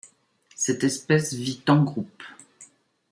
Cette espèce vit en groupes.